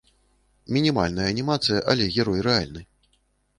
Мінімальная анімацыя, але герой рэальны.